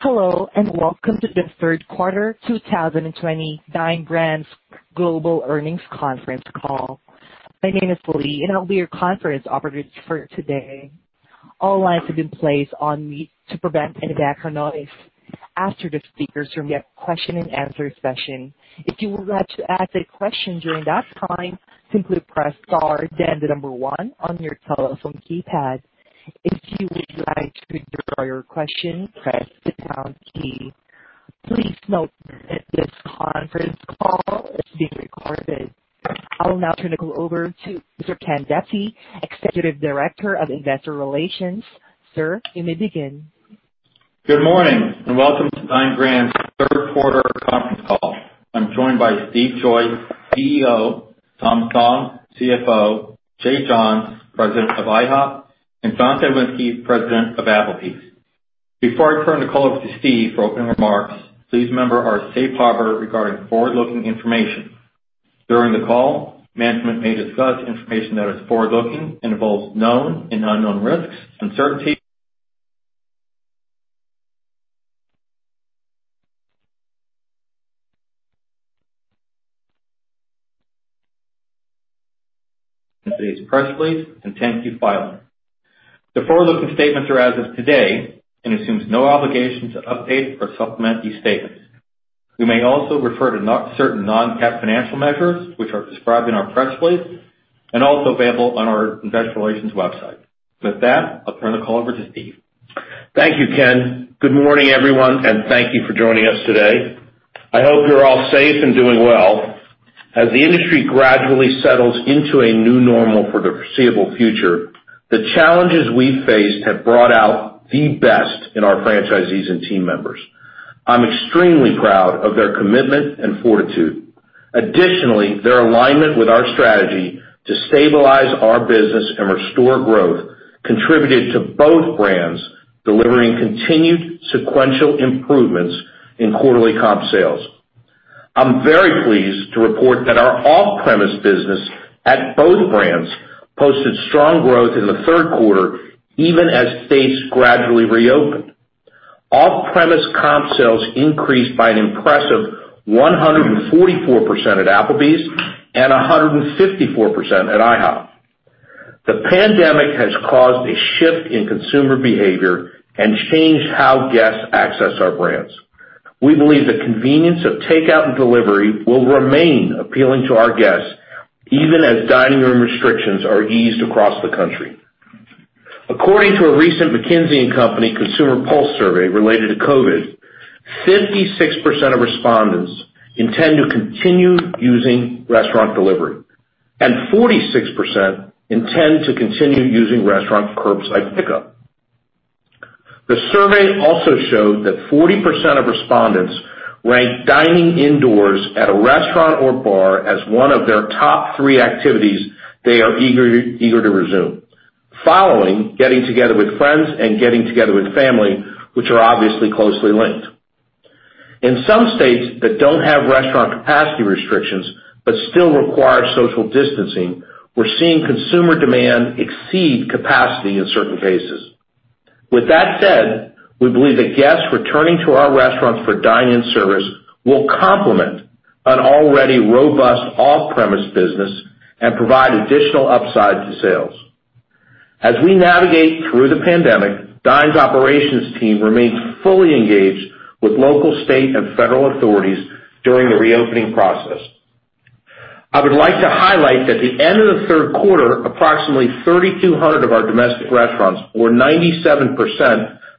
Hello, and welcome to the third quarter 2020 Dine Brands Global earnings conference call. My name is Lee, and I'll be your conference operator for today. All lines have been placed on mute to prevent any background noise. After the speakers from the question and answer session, if you would like to ask a question during that time, simply press star then the number one on your telephone keypad. If you would like to withdraw your question, press the pound key. Please note that this conference call is being recorded. I will now turn the call over to Mr. Ken Diptee, Executive Director of Investor Relations. Sir, you may begin. Good morning, and welcome to Dine Brands' third quarter conference call. I'm joined by Steve Joyce, CEO, Tom Song, CFO, Jay Johns, President of IHOP, and John Cywinski, President of Applebee's. Before I turn the call over to Steve for opening remarks, please remember our safe harbor regarding forward-looking information. During the call, management may discuss information that is forward-looking and involves known and unknown risks, uncertainties in today's press release and 10-Q filing. The forward-looking statements are as of today and assumes no obligation to update or supplement these statements. We may also refer to certain non-GAAP financial measures, which are described in our press release and also available on our investor relations website. With that, I'll turn the call over to Steve. Thank you, Ken. Good morning, everyone, and thank you for joining us today. I hope you're all safe and doing well. As the industry gradually settles into a new normal for the foreseeable future, the challenges we've faced have brought out the best in our franchisees and team members. I'm extremely proud of their commitment and fortitude. Additionally, their alignment with our strategy to stabilize our business and restore growth contributed to both brands delivering continued sequential improvements in quarterly comp sales. I'm very pleased to report that our off-premise business at both brands posted strong growth in the third quarter, even as states gradually reopened. Off-premise comp sales increased by an impressive 144% at Applebee's and 154% at IHOP. The pandemic has caused a shift in consumer behavior and changed how guests access our brands. We believe the convenience of takeout and delivery will remain appealing to our guests, even as dining room restrictions are eased across the country. According to a recent McKinsey & Company consumer pulse survey related to COVID, 56% of respondents intend to continue using restaurant delivery, and 46% intend to continue using restaurant curbside pickup. The survey also showed that 40% of respondents rank dining indoors at a restaurant or bar as one of their top three activities they are eager to resume, following getting together with friends and getting together with family, which are obviously closely linked. In some states that don't have restaurant capacity restrictions but still require social distancing, we're seeing consumer demand exceed capacity in certain cases. With that said, we believe that guests returning to our restaurants for dine-in service will complement an already robust off-premise business and provide additional upside to sales. As we navigate through the pandemic, Dine's operations team remains fully engaged with local, state, and federal authorities during the reopening process. I would like to highlight that at the end of the third quarter, approximately 3,200 of our domestic restaurants, or 97%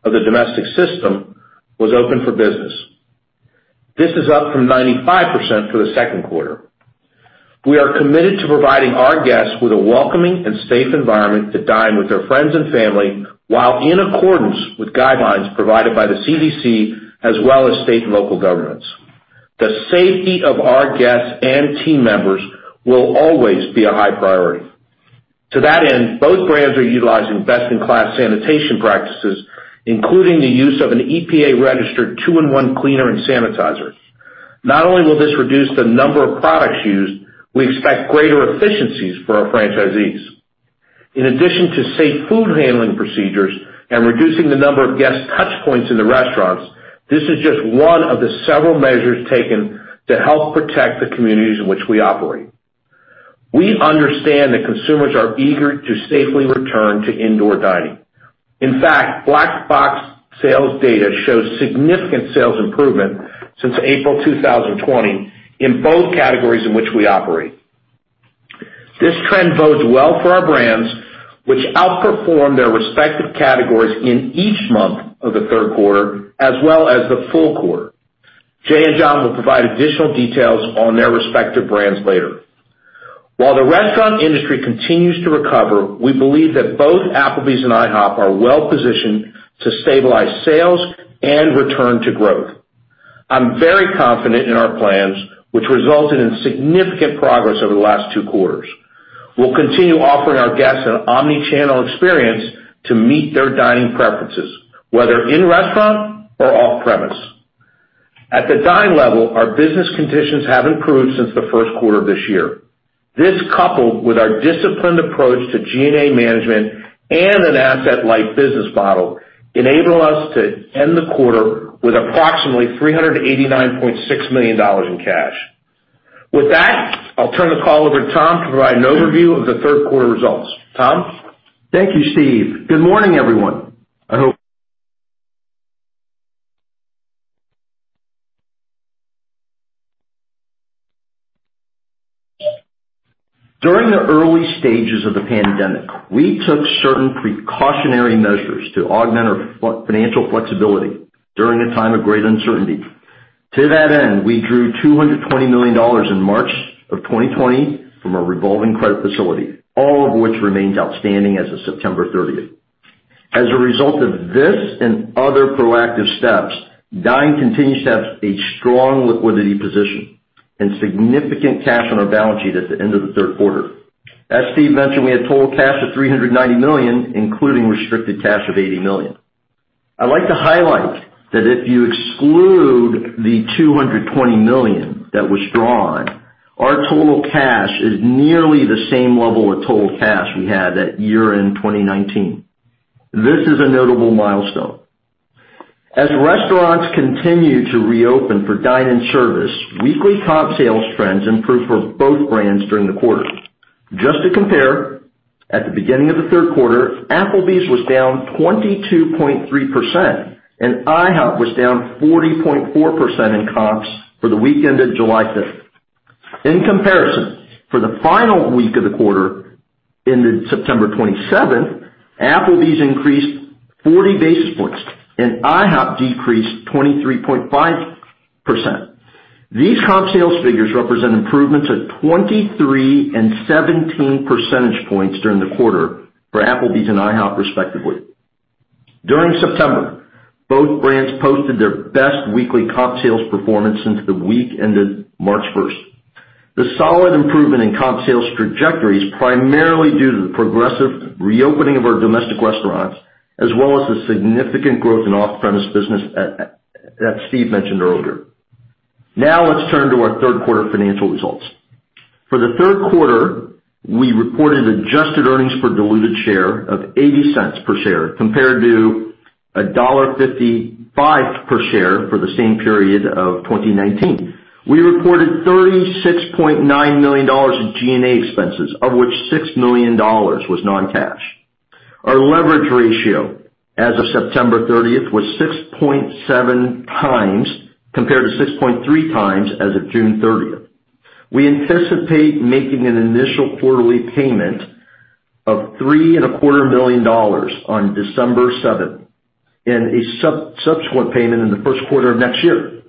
of the domestic system, was open for business. This is up from 95% for the second quarter. We are committed to providing our guests with a welcoming and safe environment to dine with their friends and family while in accordance with guidelines provided by the CDC as well as state and local governments. The safety of our guests and team members will always be a high priority. To that end, both brands are utilizing best-in-class sanitation practices, including the use of an EPA-registered two-in-one cleaner and sanitizer. Not only will this reduce the number of products used, we expect greater efficiencies for our franchisees. In addition to safe food handling procedures and reducing the number of guest touchpoints in the restaurants, this is just one of the several measures taken to help protect the communities in which we operate. We understand that consumers are eager to safely return to indoor dining. In fact, Black Box sales data shows significant sales improvement since April 2020 in both categories in which we operate. This trend bodes well for our brands, which outperformed their respective categories in each month of the third quarter as well as the full quarter. Jay and John will provide additional details on their respective brands later. While the restaurant industry continues to recover, we believe that both Applebee's and IHOP are well-positioned to stabilize sales and return to growth. I'm very confident in our plans, which resulted in significant progress over the last two quarters. We'll continue offering our guests an omni-channel experience to meet their dining preferences, whether in restaurant or off-premise. At the Dine level, our business conditions have improved since the first quarter of this year. This, coupled with our disciplined approach to G&A management and an asset-light business model, enable us to end the quarter with approximately $389.6 million in cash. With that, I'll turn the call over to Tom to provide an overview of the third quarter results. Tom. Thank you, Steve. Good morning, everyone. During the early stages of the pandemic, we took certain precautionary measures to augment our financial flexibility during a time of great uncertainty. To that end, we drew $220 million in March of 2020 from a revolving credit facility, all of which remains outstanding as of September 30th. As a result of this and other proactive steps, Dine continues to have a strong liquidity position and significant cash on our balance sheet at the end of the third quarter. As Steve mentioned, we had total cash of $390 million, including restricted cash of $80 million. I'd like to highlight that if you exclude the $220 million that was drawn, our total cash is nearly the same level of total cash we had at year-end 2019. This is a notable milestone. As restaurants continue to reopen for dine-in service, weekly comp sales trends improved for both brands during the quarter. Just to compare, at the beginning of the third quarter, Applebee's was down 22.3%, and IHOP was down 40.4% in comps for the week ended July 5th. In comparison, for the final week of the quarter, ended September 27th, Applebee's increased 40 basis points, and IHOP decreased 23.5%. These comp sales figures represent improvements of 23 and 17 percentage points during the quarter for Applebee's and IHOP respectively. During September, both brands posted their best weekly comp sales performance since the week ended March 1st. The solid improvement in comp sales trajectory is primarily due to the progressive reopening of our domestic restaurants, as well as the significant growth in off-premise business that Steve mentioned earlier. Now let's turn to our third quarter financial results. For the third quarter, we reported adjusted earnings per diluted share of $0.80 per share compared to $1.55 per share for the same period of 2019. We reported $36.9 million in G&A expenses, of which $6 million was non-cash. Our leverage ratio as of September 30th was 6.7 times compared to 6.3 times as of June 30th. We anticipate making an initial quarterly payment of $3,250,000 on December 7th, and a subsequent payment in the first quarter of next year.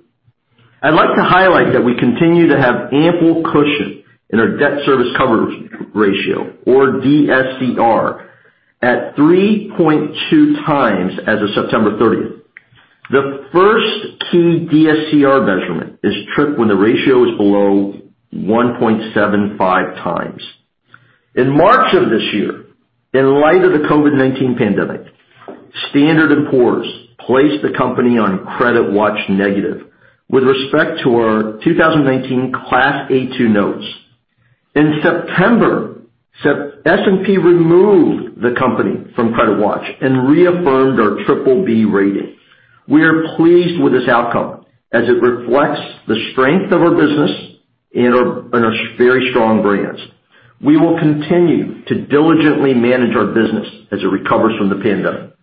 I'd like to highlight that we continue to have ample cushion in our debt service coverage ratio, or DSCR, at 3.2 times as of September 30th. The first key DSCR measurement is tripped when the ratio is below 1.75 times. In March of this year, in light of the COVID-19 pandemic, Standard & Poor's placed the company on credit watch negative with respect to our 2019 Class A-2 notes. In September, S&P removed the company from credit watch and reaffirmed our BBB rating. We are pleased with this outcome as it reflects the strength of our business and our very strong brands. We will continue to diligently manage our business as it recovers from the pandemic.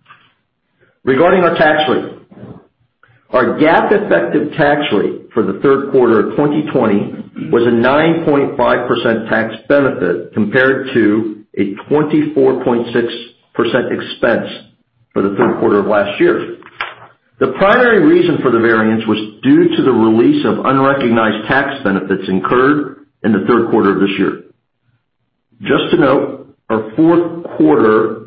Regarding our tax rate, our GAAP effective tax rate for the third quarter of 2020 was a 9.5% tax benefit compared to a 24.6% expense for the third quarter of last year. The primary reason for the variance was due to the release of unrecognized tax benefits incurred in the third quarter of this year. Just to note, our fourth quarter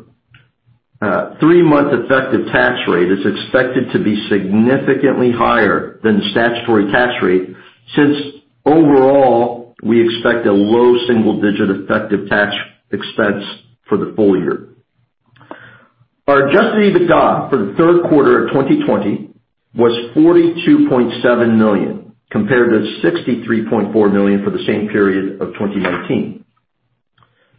three-month effective tax rate is expected to be significantly higher than the statutory tax rate since overall, we expect a low single-digit effective tax expense for the full year. Our adjusted EBITDA for the third quarter of 2020 was $42.7 million, compared to $63.4 million for the same period of 2019.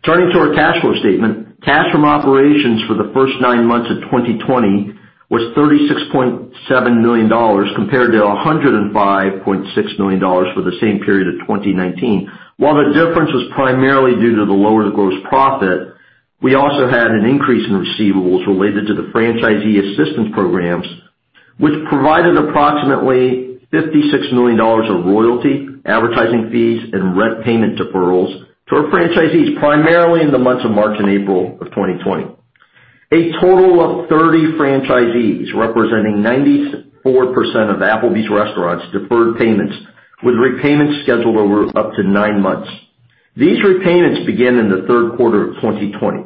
Turning to our cash flow statement, cash from operations for the first nine months of 2020 was $36.7 million compared to $105.6 million for the same period of 2019. While the difference was primarily due to the lower gross profit, we also had an increase in receivables related to the franchisee assistance programs, which provided approximately $56 million of royalty, advertising fees, and rent payment deferrals to our franchisees, primarily in the months of March and April of 2020. A total of 30 franchisees, representing 94% of Applebee's restaurants, deferred payments, with repayments scheduled over up to nine months. These repayments began in the third quarter of 2020.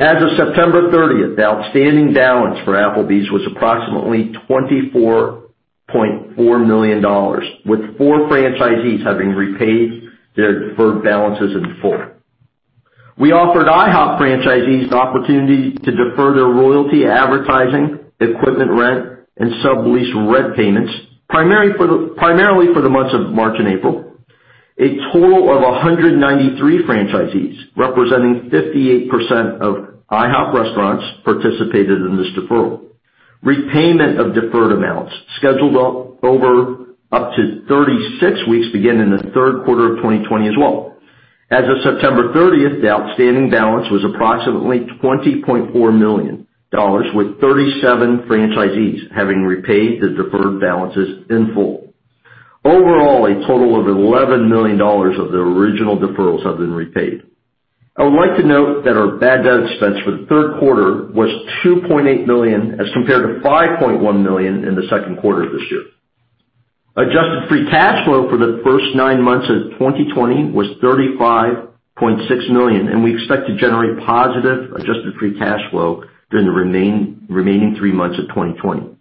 As of September 30th, the outstanding balance for Applebee's was approximately $24.4 million, with four franchisees having repaid their deferred balances in full. We offered IHOP franchisees the opportunity to defer their royalty advertising, equipment rent, and sublease rent payments, primarily for the months of March and April. A total of 193 franchisees, representing 58% of IHOP restaurants, participated in this deferral. Repayment of deferred amounts scheduled over up to 36 weeks began in the third quarter of 2020 as well. As of September 30th, the outstanding balance was approximately $20.4 million, with 37 franchisees having repaid the deferred balances in full. Overall, a total of $11 million of the original deferrals have been repaid. I would like to note that our bad debt expense for the third quarter was $2.8 million, as compared to $5.1 million in the second quarter of this year. Adjusted free cash flow for the first nine months of 2020 was $35.6 million, We expect to generate positive adjusted free cash flow during the remaining three months of 2020.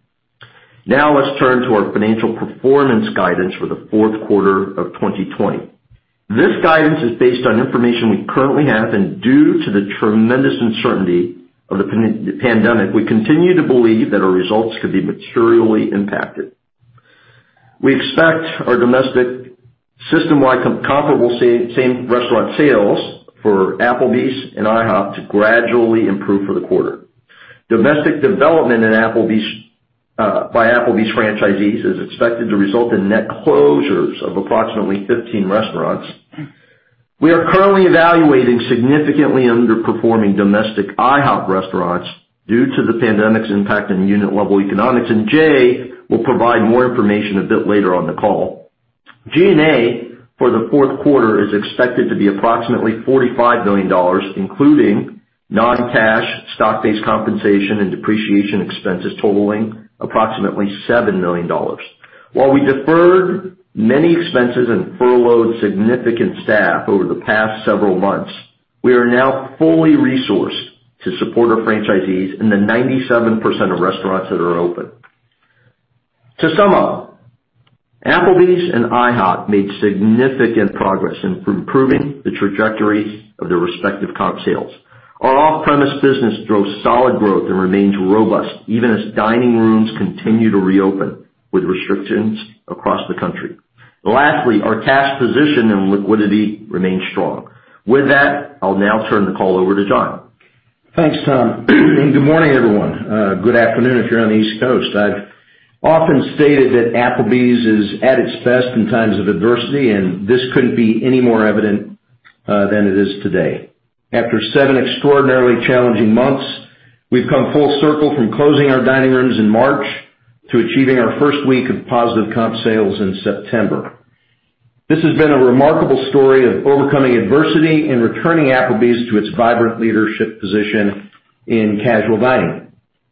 Let's turn to our financial performance guidance for the fourth quarter of 2020. This guidance is based on information we currently have, Due to the tremendous uncertainty of the pandemic, we continue to believe that our results could be materially impacted. We expect our domestic systemwide comparable same-restaurant sales for Applebee's and IHOP to gradually improve for the quarter. Domestic development by Applebee's franchisees is expected to result in net closures of approximately 15 restaurants. We are currently evaluating significantly underperforming domestic IHOP restaurants due to the pandemic's impact on unit-level economics, and Jay will provide more information a bit later on the call. G&A for the fourth quarter is expected to be approximately $45 million, including non-cash stock-based compensation and depreciation expenses totaling approximately $7 million. While we deferred many expenses and furloughed significant staff over the past several months, we are now fully resourced to support our franchisees in the 97% of restaurants that are open. To sum up, Applebee's and IHOP made significant progress in improving the trajectory of their respective comp sales. Our off-premise business drove solid growth and remains robust even as dining rooms continue to reopen with restrictions across the country. Lastly, our cash position and liquidity remain strong. With that, I'll now turn the call over to John. Thanks, Tom. Good morning, everyone. Good afternoon if you're on the East Coast. I've often stated that Applebee's is at its best in times of adversity, and this couldn't be any more evident than it is today. After seven extraordinarily challenging months, we've come full circle from closing our dining rooms in March to achieving our first week of positive comp sales in September. This has been a remarkable story of overcoming adversity and returning Applebee's to its vibrant leadership position in casual dining.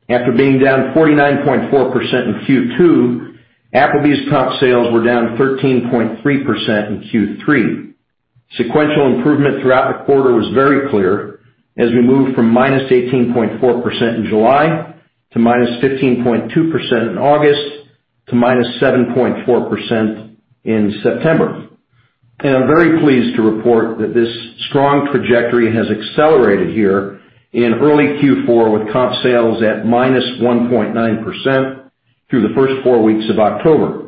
After being down 49.4% in Q2, Applebee's comp sales were down 13.3% in Q3. Sequential improvement throughout the quarter was very clear as we moved from -18.4% in July to -15.2% in August to -7.4% in September. I'm very pleased to report that this strong trajectory has accelerated here in early Q4, with comp sales at -1.9% through the first four weeks of October.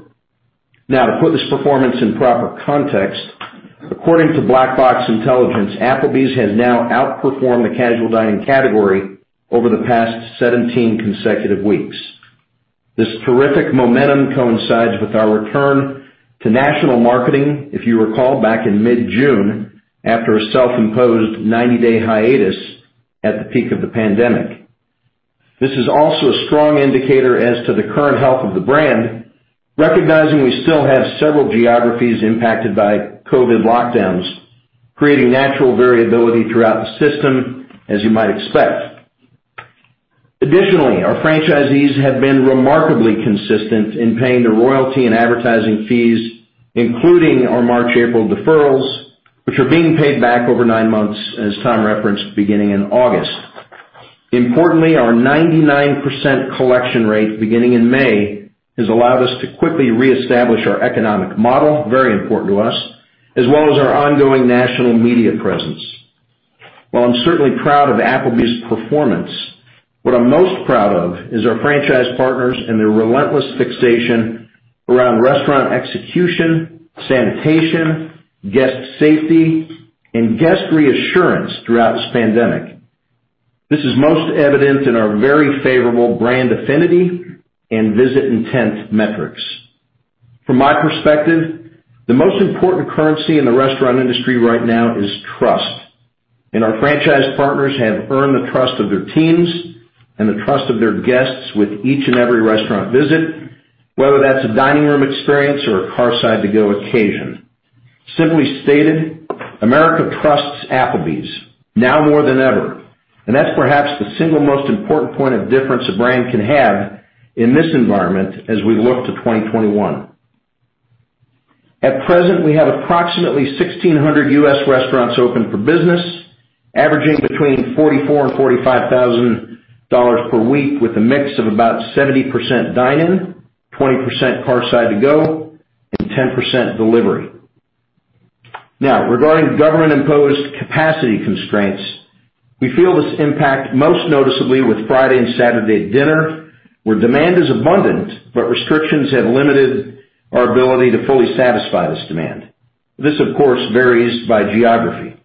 To put this performance in proper context, according to Black Box Intelligence, Applebee's has now outperformed the casual dining category over the past 17 consecutive weeks. This terrific momentum coincides with our return to national marketing, if you recall, back in mid-June, after a self-imposed 90-day hiatus at the peak of the pandemic. This is also a strong indicator as to the current health of the brand, recognizing we still have several geographies impacted by COVID lockdowns, creating natural variability throughout the system, as you might expect. Our franchisees have been remarkably consistent in paying their royalty and advertising fees, including our March, April deferrals, which are being paid back over nine months, as Tom referenced, beginning in August. Our 99% collection rate beginning in May has allowed us to quickly reestablish our economic model, very important to us, as well as our ongoing national media presence. While I'm certainly proud of Applebee's performance, what I'm most proud of is our franchise partners and their relentless fixation around restaurant execution, sanitation, guest safety, and guest reassurance throughout this pandemic. This is most evident in our very favorable brand affinity and visit intent metrics. From my perspective, the most important currency in the restaurant industry right now is trust, and our franchise partners have earned the trust of their teams and the trust of their guests with each and every restaurant visit, whether that's a dining room experience or a curbside to-go occasion. Simply stated, America trusts Applebee's now more than ever, and that's perhaps the single most important point of difference a brand can have in this environment as we look to 2021. At present, we have approximately 1,600 U.S. restaurants open for business, averaging between $44,000 and $45,000 per week, with a mix of about 70% dine-in, 20% curbside to-go, and 10% delivery. Regarding government-imposed capacity constraints, we feel this impact most noticeably with Friday and Saturday dinner, where demand is abundant, but restrictions have limited our ability to fully satisfy this demand. This, of course, varies by geography.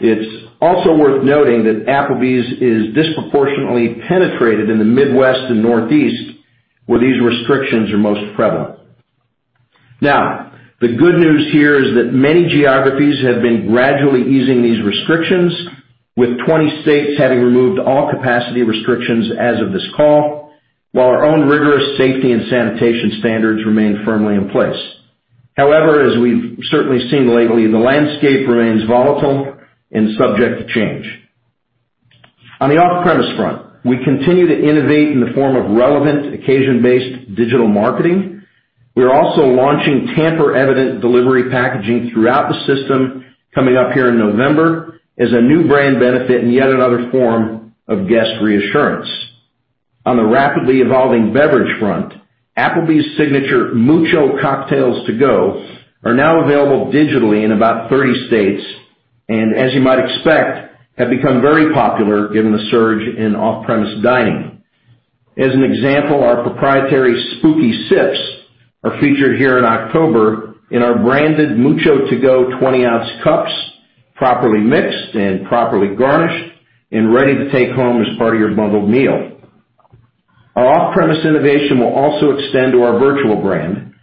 It's also worth noting that Applebee's is disproportionately penetrated in the Midwest and Northeast, where these restrictions are most prevalent. The good news here is that many geographies have been gradually easing these restrictions, with 20 states having removed all capacity restrictions as of this call, while our own rigorous safety and sanitation standards remain firmly in place. As we've certainly seen lately, the landscape remains volatile and subject to change. On the off-premise front, we continue to innovate in the form of relevant, occasion-based digital marketing. We are also launching tamper-evident delivery packaging throughout the system coming up here in November as a new brand benefit and yet another form of guest reassurance. On the rapidly evolving beverage front, Applebee's signature Mucho Cocktails To-Go are now available digitally in about 30 states, and as you might expect, have become very popular given the surge in off-premise dining. As an example, our proprietary Spooky Sips are featured here in October in our branded Mucho To-Go 20-ounce cups, properly mixed and properly garnished, and ready to take home as part of your bundled meal. Our off-premise innovation will also extend to our virtual brand,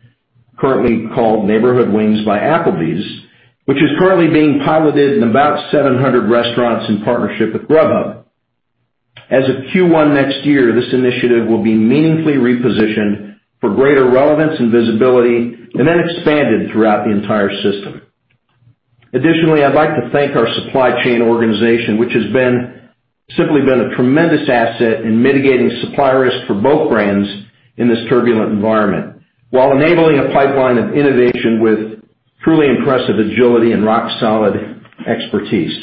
currently called Neighborhood Wings by Applebee's, which is currently being piloted in about 700 restaurants in partnership with Grubhub. As of Q1 next year, this initiative will be meaningfully repositioned for greater relevance and visibility, expanded throughout the entire system. I'd like to thank our supply chain organization, which has simply been a tremendous asset in mitigating supply risk for both brands in this turbulent environment while enabling a pipeline of innovation with truly impressive agility and rock solid expertise.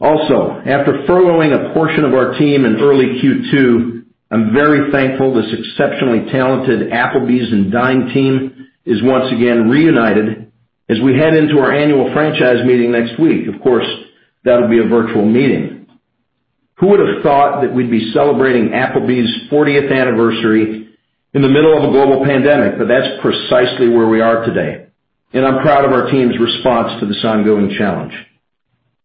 After furloughing a portion of our team in early Q2, I'm very thankful this exceptionally talented Applebee's and Dine team is once again reunited as we head into our annual franchise meeting next week. Of course, that'll be a virtual meeting. Who would have thought that we'd be celebrating Applebee's 40th anniversary in the middle of a global pandemic, that's precisely where we are today, and I'm proud of our team's response to this ongoing challenge.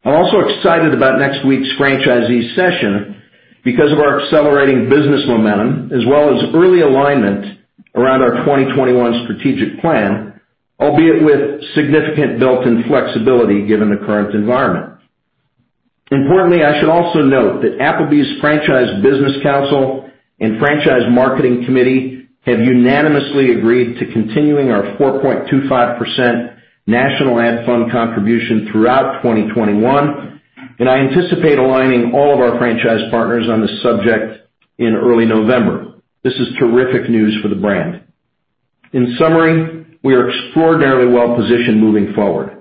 I'm also excited about next week's franchisee session because of our accelerating business momentum, as well as early alignment around our 2021 strategic plan, albeit with significant built-in flexibility given the current environment. Importantly, I should also note that Applebee's Franchise Brand Council and Franchise Marketing Committee have unanimously agreed to continuing our 4.25% national ad fund contribution throughout 2021, and I anticipate aligning all of our franchise partners on this subject in early November. This is terrific news for the brand. In summary, we are extraordinarily well-positioned moving forward.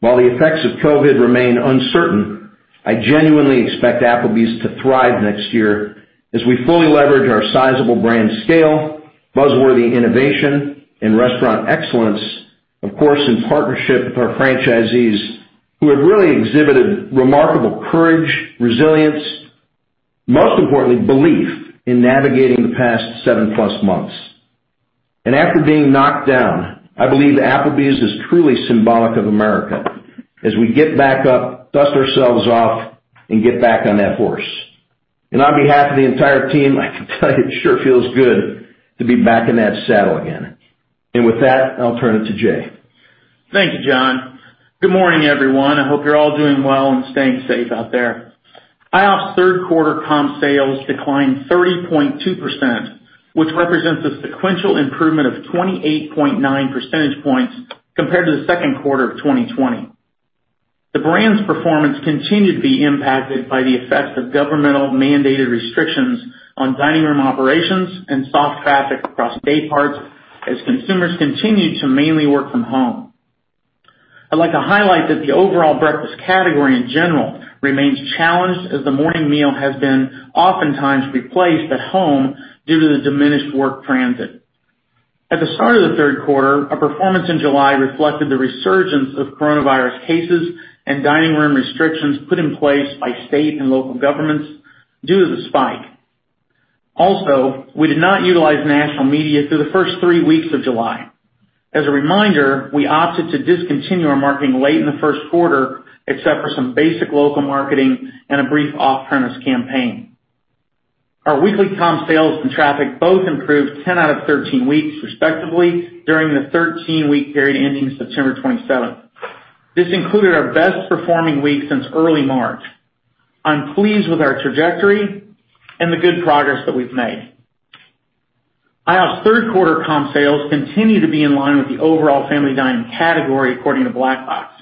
While the effects of COVID remain uncertain, I genuinely expect Applebee's to thrive next year as we fully leverage our sizable brand scale, buzz-worthy innovation, and restaurant excellence, of course, in partnership with our franchisees, who have really exhibited remarkable courage, resilience, most importantly, belief, in navigating the past seven-plus months. After being knocked down, I believe Applebee's is truly symbolic of America as we get back up, dust ourselves off, and get back on that horse. On behalf of the entire team, I can tell you it sure feels good to be back in that saddle again. With that, I'll turn it to Jay. Thank you, John. Good morning, everyone. I hope you're all doing well and staying safe out there. IHOP's third quarter comp sales declined 30.2%, which represents a sequential improvement of 28.9 percentage points compared to the second quarter of 2020. The brand's performance continued to be impacted by the effects of governmental mandated restrictions on dining room operations and soft traffic across day parts as consumers continued to mainly work from home. I'd like to highlight that the overall breakfast category in general remains challenged as the morning meal has been oftentimes replaced at home due to the diminished work transit. At the start of the third quarter, our performance in July reflected the resurgence of coronavirus cases and dining room restrictions put in place by state and local governments due to the spike. Also, we did not utilize national media through the first three weeks of July. As a reminder, we opted to discontinue our marketing late in the first quarter, except for some basic local marketing and a brief off-premise campaign. Our weekly comp sales and traffic both improved 10 out of 13 weeks, respectively, during the 13-week period ending September 27th. This included our best performing week since early March. I'm pleased with our trajectory and the good progress that we've made. IHOP's third quarter comp sales continue to be in line with the overall family dining category, according to Black Box.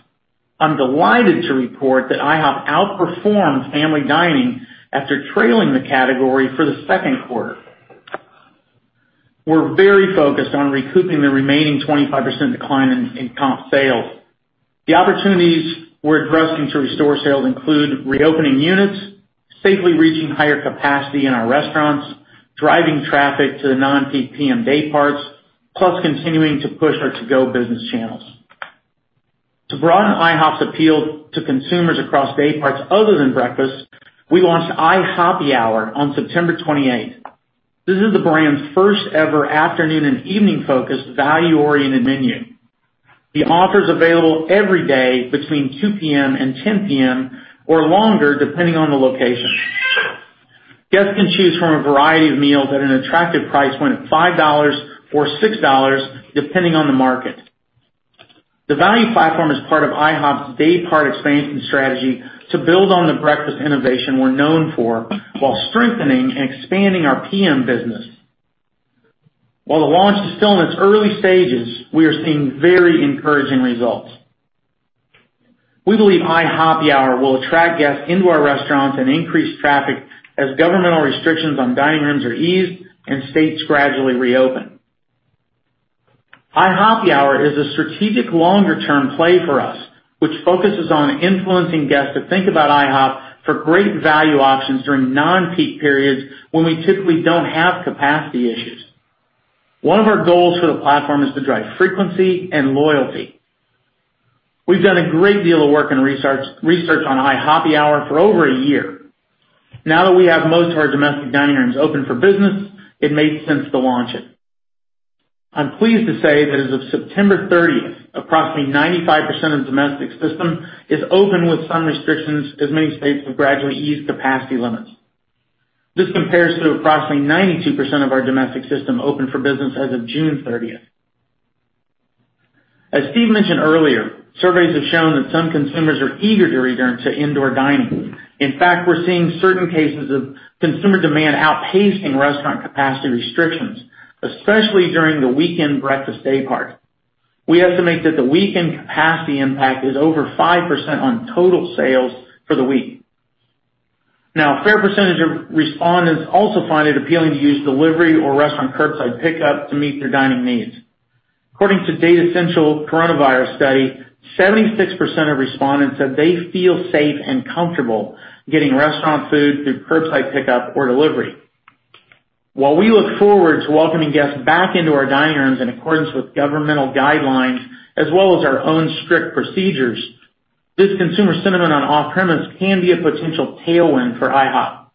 I'm delighted to report that IHOP outperformed family dining after trailing the category for the second quarter. We're very focused on recouping the remaining 25% decline in comp sales. The opportunities we're addressing to restore sales include reopening units, safely reaching higher capacity in our restaurants, driving traffic to the non-PM day parts, plus continuing to push our to-go business channels. To broaden IHOP's appeal to consumers across dayparts other than breakfast, we launched IHOPPY Hour on September 28th. This is the brand's first ever afternoon and evening focused value-oriented menu. The offer is available every day between 2:00 P.M. and 10:00 P.M. or longer, depending on the location. Guests can choose from a variety of meals at an attractive price point of $5 or $6, depending on the market. The value platform is part of IHOP's daypart expansion strategy to build on the breakfast innovation we're known for, while strengthening and expanding our PM business. While the launch is still in its early stages, we are seeing very encouraging results. We believe IHOPPY Hour will attract guests into our restaurants and increase traffic as governmental restrictions on dining rooms are eased and states gradually reopen. IHOPPY Hour is a strategic longer-term play for us, which focuses on influencing guests to think about IHOP for great value options during non-peak periods when we typically don't have capacity issues. One of our goals for the platform is to drive frequency and loyalty. We've done a great deal of work and research on IHOPPY Hour for over a year. Now that we have most of our domestic dining rooms open for business, it made sense to launch it. I'm pleased to say that as of September 30th, approximately 95% of the domestic system is open with some restrictions, as many states have gradually eased capacity limits. This compares to approximately 92% of our domestic system open for business as of June 30th. As Steve mentioned earlier, surveys have shown that some consumers are eager to return to indoor dining. In fact, we're seeing certain cases of consumer demand outpacing restaurant capacity restrictions, especially during the weekend breakfast day part. We estimate that the weekend capacity impact is over 5% on total sales for the week. Now, a fair percentage of respondents also find it appealing to use delivery or restaurant curbside pickup to meet their dining needs. According to Datassential coronavirus study, 76% of respondents said they feel safe and comfortable getting restaurant food through curbside pickup or delivery. While we look forward to welcoming guests back into our dining rooms in accordance with governmental guidelines as well as our own strict procedures, this consumer sentiment on off-premise can be a potential tailwind for IHOP.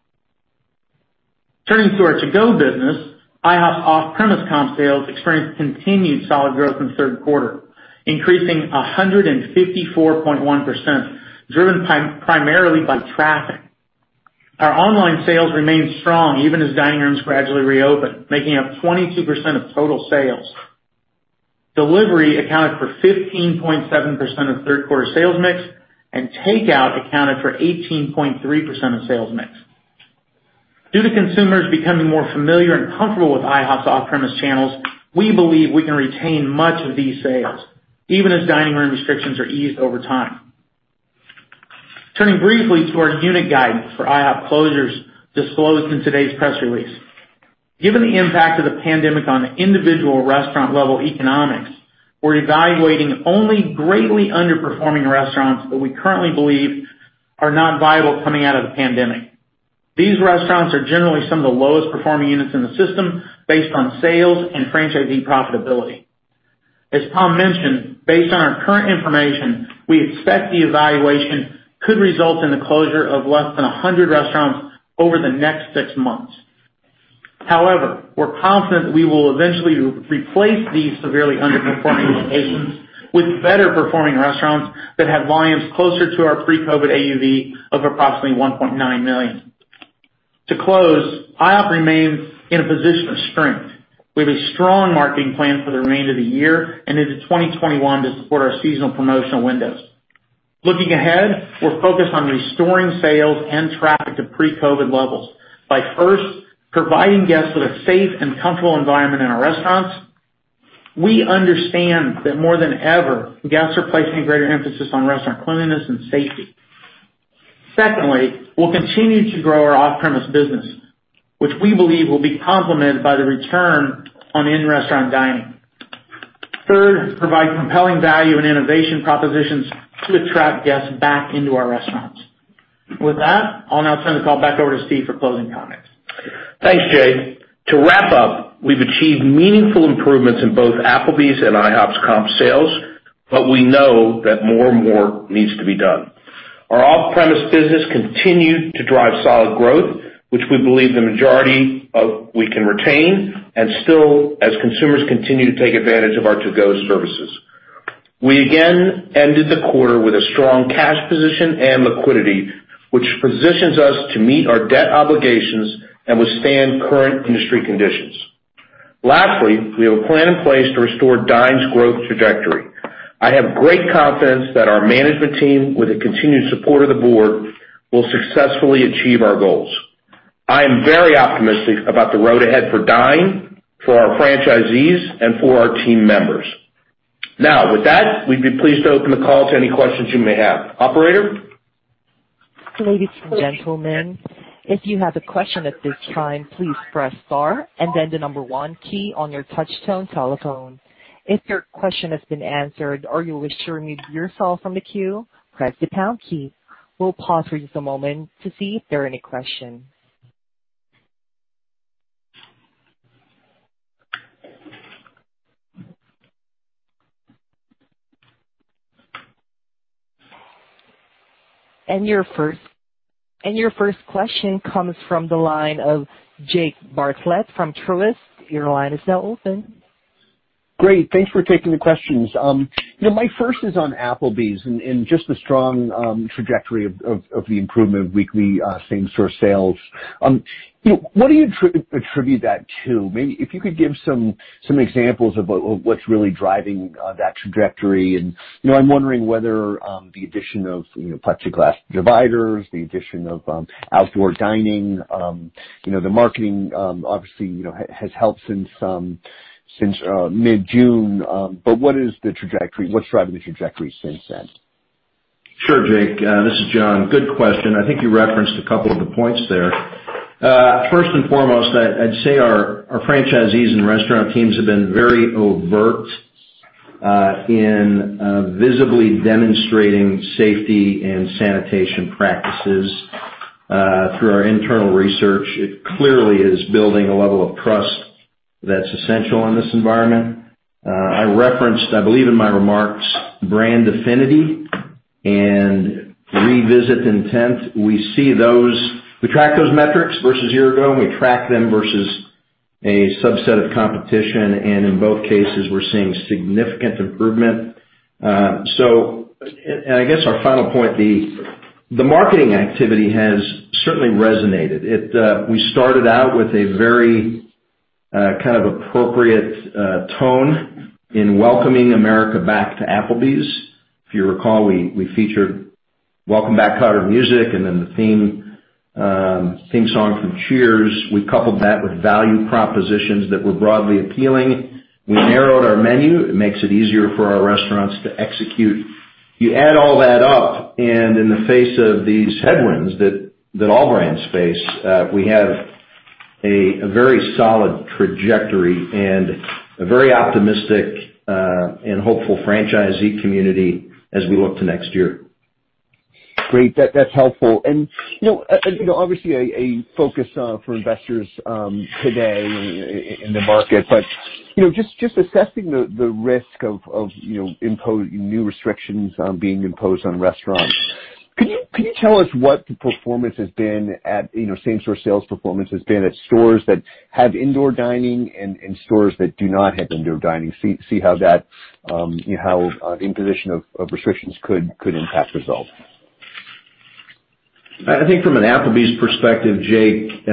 Turning to our to-go business, IHOP's off-premise comp sales experienced continued solid growth in third quarter, increasing 154.1%, driven primarily by traffic. Our online sales remained strong even as dining rooms gradually reopened, making up 22% of total sales. Delivery accounted for 15.7% of third quarter sales mix, and takeout accounted for 18.3% of sales mix. Due to consumers becoming more familiar and comfortable with IHOP's off-premise channels, we believe we can retain much of these sales even as dining room restrictions are eased over time. Turning briefly to our unit guidance for IHOP closures disclosed in today's press release. Given the impact of the pandemic on individual restaurant level economics, we're evaluating only greatly underperforming restaurants that we currently believe are not viable coming out of the pandemic. These restaurants are generally some of the lowest performing units in the system based on sales and franchisee profitability. As Tom mentioned, based on our current information, we expect the evaluation could result in the closure of less than 100 restaurants over the next six months. We're confident we will eventually replace these severely underperforming locations with better performing restaurants that have volumes closer to our pre-COVID AUV of approximately $1.9 million. To close, IHOP remains in a position of strength. We have a strong marketing plan for the remainder of the year and into 2021 to support our seasonal promotional windows. Looking ahead, we're focused on restoring sales and traffic to pre-COVID levels by first providing guests with a safe and comfortable environment in our restaurants. We understand that more than ever, guests are placing a greater emphasis on restaurant cleanliness and safety. Secondly, we'll continue to grow our off-premise business, which we believe will be complemented by the return on in-restaurant dining. Third, provide compelling value and innovation propositions to attract guests back into our restaurants. With that, I'll now turn the call back over to Steve for closing comments. Thanks, Jay. To wrap up, we've achieved meaningful improvements in both Applebee's and IHOP's comp sales. We know that more needs to be done. Our off-premise business continued to drive solid growth, which we believe the majority we can retain and still as consumers continue to take advantage of our to-go services. We again ended the quarter with a strong cash position and liquidity, which positions us to meet our debt obligations and withstand current industry conditions. Lastly, we have a plan in place to restore Dine's growth trajectory. I have great confidence that our management team, with the continued support of the board, will successfully achieve our goals. I am very optimistic about the road ahead for Dine, for our franchisees, and for our team members. Now, with that, we'd be pleased to open the call to any questions you may have. Operator? Ladies and gentlemen, if you have a question at this time, please press star and then the number one key on your touchtone telephone. If your question has been answered or you wish to remove yourself from the queue, press the pound key. We'll pause for just a moment to see if there are any questions. Your first question comes from the line of Jake Bartlett from Truist. Your line is now open. Great. Thanks for taking the questions. My first is on Applebee's and just the strong trajectory of the improvement of weekly same-store sales. What do you attribute that to? Maybe if you could give some examples of what's really driving that trajectory and I'm wondering whether the addition of plexiglass dividers, the addition of outdoor dining, the marketing obviously has helped since mid-June. What is the trajectory? What's driving the trajectory since then? Sure, Jake. This is John. Good question. I think you referenced a couple of the points there. First and foremost, I'd say our franchisees and restaurant teams have been very overt in visibly demonstrating safety and sanitation practices. Through our internal research, it clearly is building a level of trust that's essential in this environment. I referenced, I believe in my remarks, brand affinity and revisit intent. We track those metrics versus a year ago, and we track them versus a subset of competition, and in both cases, we're seeing significant improvement. I guess our final point, the marketing activity has certainly resonated. We started out with a very appropriate tone in welcoming America back to Applebee's. If you recall, we featured Welcome Back, Kotter music and then the theme song from Cheers. We coupled that with value propositions that were broadly appealing. We narrowed our menu. It makes it easier for our restaurants to execute. You add all that up, in the face of these headwinds that all brands face, we have a very solid trajectory and a very optimistic and hopeful franchisee community as we look to next year. Great. That's helpful. Obviously, a focus for investors today in the market, just assessing the risk of new restrictions being imposed on restaurants. Could you tell us what the same-store sales performance has been at stores that have indoor dining and stores that do not have indoor dining? See how imposition of restrictions could impact results? I think from an Applebee's perspective, Jake,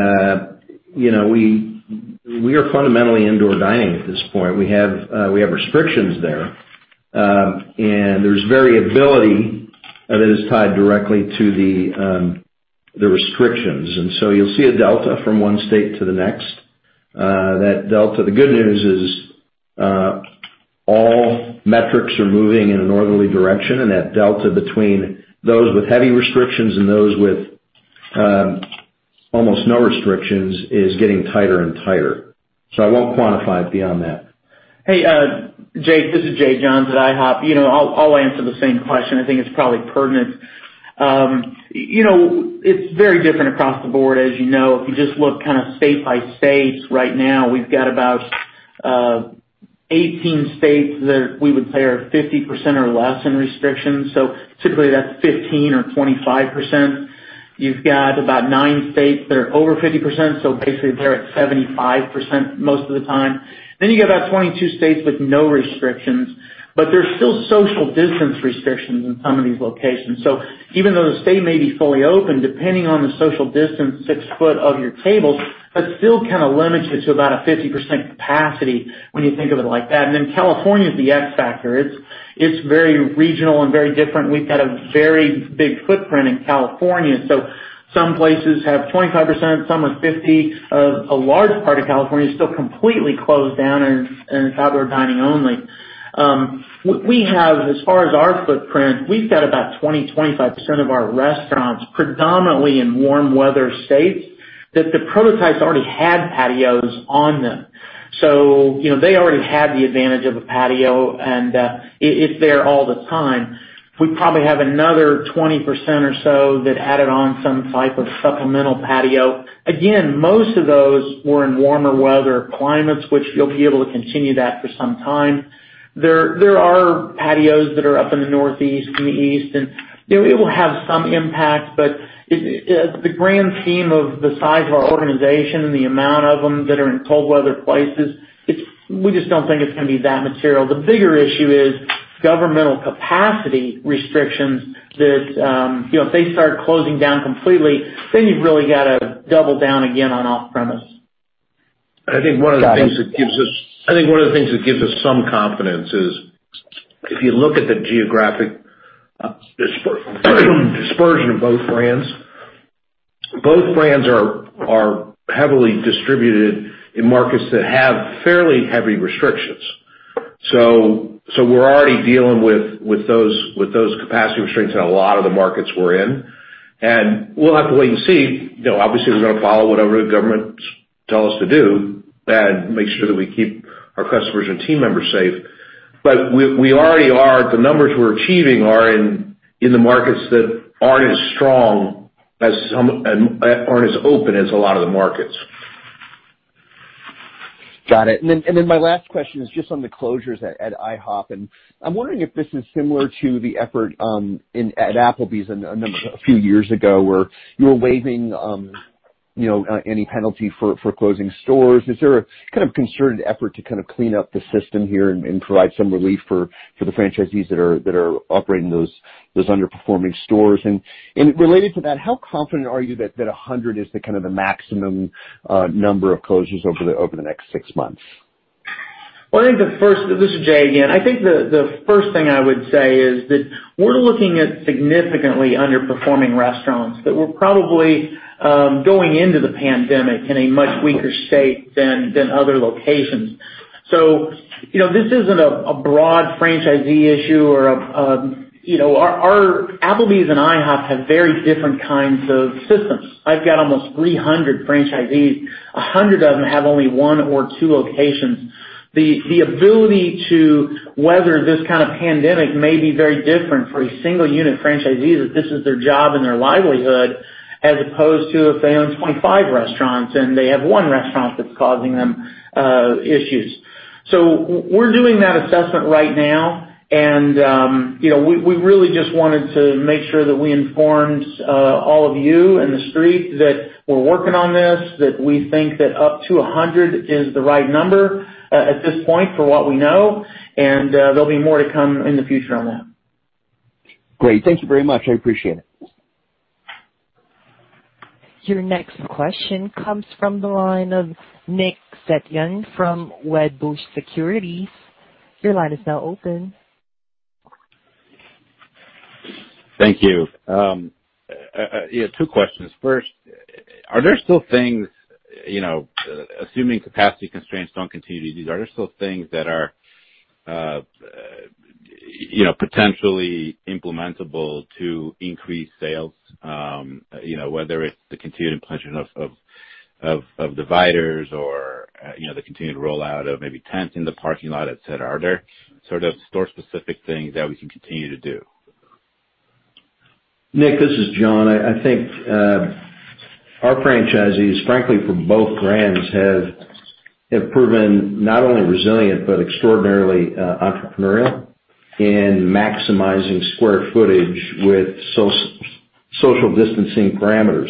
we are fundamentally indoor dining at this point. We have restrictions there, and there's variability that is tied directly to the restrictions. You'll see a delta from one state to the next. The good news is all metrics are moving in a northerly direction, and that delta between those with heavy restrictions and those with almost no restrictions is getting tighter and tighter. I won't quantify it beyond that. Hey, Jake, this is Jay Johns at IHOP. I'll answer the same question. I think it's probably pertinent. It's very different across the board, as you know. If you just look state by state right now, we've got about 18 states that we would say are 50% or less in restrictions. Typically, that's 15 or 25%. You've got about nine states that are over 50%, basically they're at 75% most of the time. You get about 22 states with no restrictions, but there's still social distance restrictions in some of these locations. Even though the state may be fully open, depending on the social distance, six foot of your tables, that still limits you to about a 50% capacity when you think of it like that. California is the X factor. It's very regional and very different. We've got a very big footprint in California, so some places have 25%, some are 50%. A large part of California is still completely closed down and it's outdoor dining only. As far as our footprint, we've got about 20%-25% of our restaurants predominantly in warm weather states that the prototypes already had patios on them. They already had the advantage of a patio, and it's there all the time. We probably have another 20% or so that added on some type of supplemental patio. Again, most of those were in warmer weather climates, which you'll be able to continue that for some time. There are patios that are up in the Northeast and the East, and it will have some impact, but the grand scheme of the size of our organization and the amount of them that are in cold weather places, we just don't think it's going to be that material. The bigger issue is governmental capacity restrictions that if they start closing down completely, then you've really got to double down again on off-premise. I think one of the things that gives us some confidence is if you look at the geographic dispersion of both brands. Both brands are heavily distributed in markets that have fairly heavy restrictions. We're already dealing with those capacity restraints in a lot of the markets we're in. We'll have to wait and see. Obviously, we're going to follow whatever the government tells us to do and make sure that we keep our customers and team members safe. The numbers we're achieving are in the markets that aren't as strong as some, and aren't as open as a lot of the markets. Got it. My last question is just on the closures at IHOP, and I'm wondering if this is similar to the effort at Applebee's a few years ago, where you're waiving any penalty for closing stores. Is there a kind of concerted effort to kind of clean up the system here and provide some relief for the franchisees that are operating those underperforming stores? Related to that, how confident are you that 100 is the kind of the maximum number of closures over the next six months? Well, I think the first, this is Jay again. I think the first thing I would say is that we're looking at significantly underperforming restaurants that were probably going into the pandemic in a much weaker state than other locations. This isn't a broad franchisee issue. Applebee's and IHOP have very different kinds of systems. I've got almost 300 franchisees, 100 of them have only one or two locations. The ability to weather this kind of pandemic may be very different for a single unit franchisee that this is their job and their livelihood, as opposed to if they own 25 restaurants and they have one restaurant that's causing them issues. We're doing that assessment right now, and we really just wanted to make sure that we informed all of you in the street that we're working on this, that we think that up to 100 is the right number at this point for what we know. There'll be more to come in the future on that. Great. Thank you very much. I appreciate it. Your next question comes from the line of Nick Setyan from Wedbush Securities. Your line is now open. Thank you. Two questions. First, are there still things, assuming capacity constraints that are potentially implementable to increase sales? Whether it's the continued implementation of dividers or the continued rollout of maybe tents in the parking lot, et cetera. Are there sort of store specific things that we can continue to do? Nick, this is John. I think our franchisees, frankly, for both brands, have proven not only resilient, but extraordinarily entrepreneurial in maximizing square footage with social distancing parameters.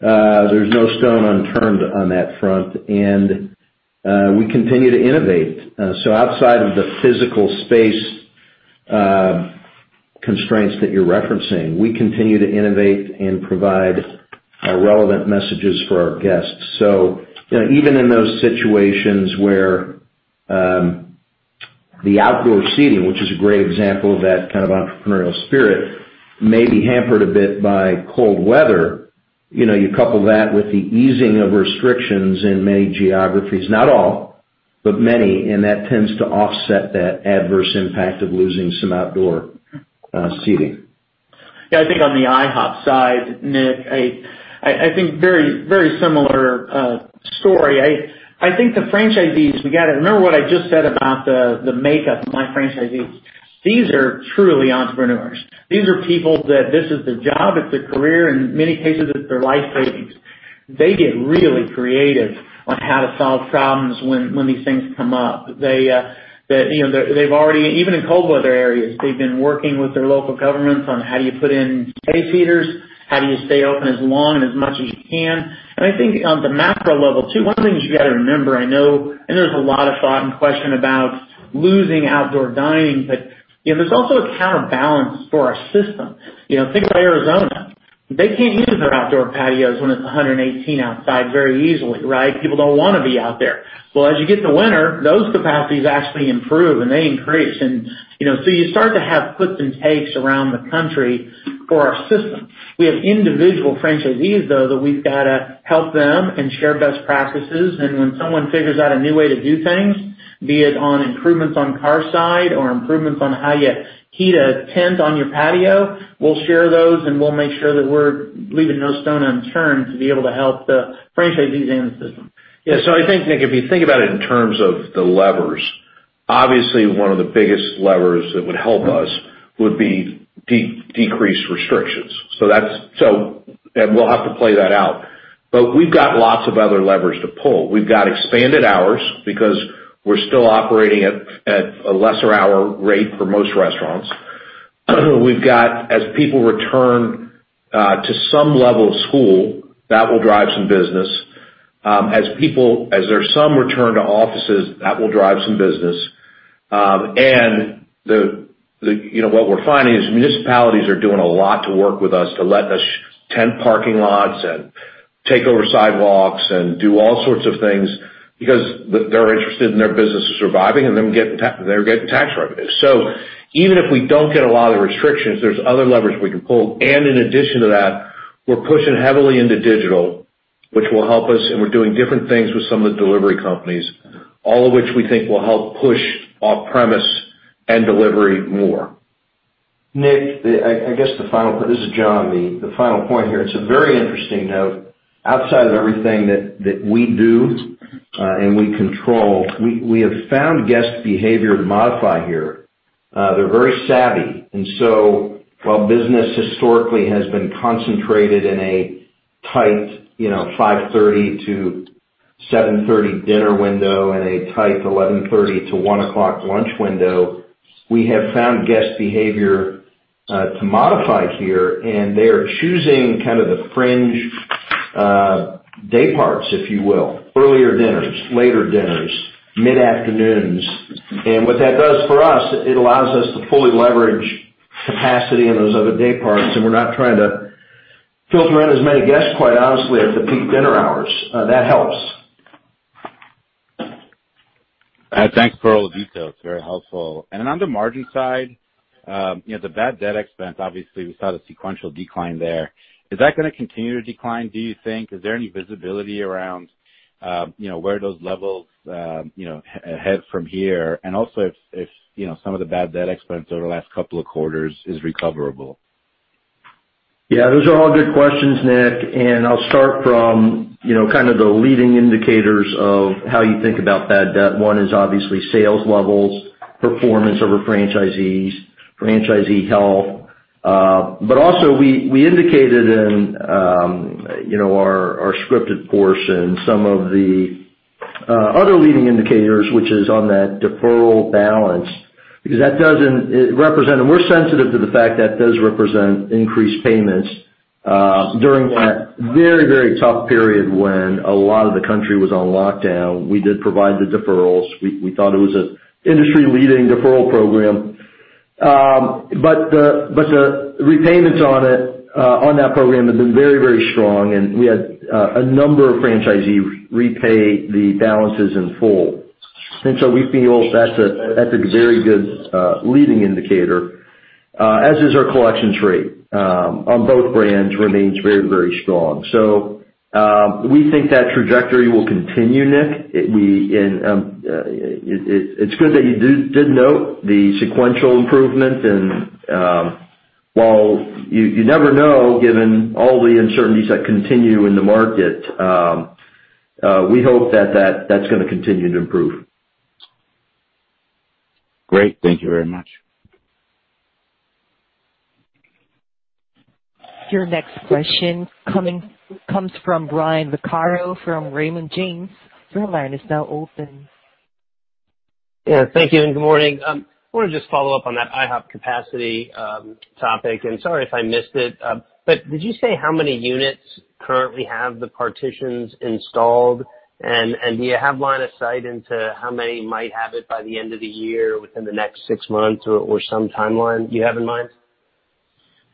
There's no stone unturned on that front, and we continue to innovate. Outside of the physical space constraints that you're referencing, we continue to innovate and provide relevant messages for our guests. Even in those situations where the outdoor seating, which is a great example of that kind of entrepreneurial spirit, may be hampered a bit by cold weather. You couple that with the easing of restrictions in many geographies, not all, but many, and that tends to offset that adverse impact of losing some outdoor seating. Yeah, I think on the IHOP side, Nick, I think very similar story. I think the franchisees, we got to remember what I just said about the makeup of my franchisees. These are truly entrepreneurs. These are people that this is their job, it's their career. In many cases, it's their life savings. They get really creative on how to solve problems when these things come up. Even in cold weather areas, they've been working with their local governments on how do you put in space heaters, how do you stay open as long as much as you can? I think on the macro level too, one of the things you got to remember, I know, and there's a lot of thought and question about losing outdoor dining, but there's also a counterbalance for our system. Think about Arizona. They can't use their outdoor patios when it's 118 outside very easily, right? People don't want to be out there. Well, as you get to winter, those capacities actually improve and they increase. You start to have puts and takes around the country for our system. We have individual franchisees, though, that we've got to help them and share best practices. When someone figures out a new way to do things, be it on improvements on car side or improvements on how you heat a tent on your patio, we'll share those, and we'll make sure that we're leaving no stone unturned to be able to help the franchisees in the system. Yeah. I think, Nick, if you think about it in terms of the levers, obviously one of the biggest levers that would help us would be decreased restrictions. We'll have to play that out. We've got lots of other levers to pull. We've got expanded hours because we're still operating at a lesser hour rate for most restaurants. As people return to some level of school, that will drive some business. As there's some return to offices, that will drive some business. What we're finding is municipalities are doing a lot to work with us to let us tent parking lots and Take over sidewalks and do all sorts of things because they're interested in their business surviving and they're getting tax revenue. Even if we don't get a lot of the restrictions, there's other levers we can pull. In addition to that, we're pushing heavily into digital, which will help us, and we're doing different things with some of the delivery companies, all of which we think will help push off-premise and delivery more. Nick, this is John, the final point here, it's a very interesting note. Outside of everything that we do and we control, we have found guest behavior to modify here. They're very savvy. While business historically has been concentrated in a tight 5:30-7:30 dinner window and a tight 11:30-1:00 lunch window, we have found guest behavior to modify here, they are choosing kind of the fringe day parts, if you will. Earlier dinners, later dinners, mid-afternoons. What that does for us, it allows us to fully leverage capacity in those other day parts, we're not trying to filter in as many guests, quite honestly, at the peak dinner hours. That helps. Thanks for all the details. Very helpful. On the margin side, the bad debt expense, obviously, we saw the sequential decline there. Is that going to continue to decline, do you think? Is there any visibility around where those levels ahead from here? Also if some of the bad debt expense over the last couple of quarters is recoverable? Yeah, those are all good questions, Nick. I'll start from kind of the leading indicators of how you think about bad debt. One is obviously sales levels, performance over franchisees, franchisee health. Also, we indicated in our scripted portion, some of the other leading indicators, which is on that deferral balance, because we're sensitive to the fact that does represent increased payments during that very tough period when a lot of the country was on lockdown. We did provide the deferrals. We thought it was an industry-leading deferral program. The repayments on that program have been very strong, and we had a number of franchisees repay the balances in full. We feel that's a very good leading indicator, as is our collections rate on both brands remains very strong. We think that trajectory will continue, Nick. It's good that you did note the sequential improvement. While you never know, given all the uncertainties that continue in the market, we hope that that's going to continue to improve. Great. Thank you very much. Your next question comes from Brian Vaccaro from Raymond James. Yeah, thank you. Good morning. I want to just follow up on that IHOP capacity topic. Sorry if I missed it, did you say how many units currently have the partitions installed? Do you have line of sight into how many might have it by the end of the year, within the next six months or some timeline you have in mind?